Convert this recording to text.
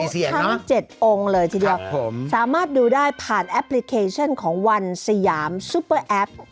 แสนสี่เซียนเนอะครับผมสามารถดูได้ผ่านแอปพลิเคชันของวันสยามซูเปอร์แอป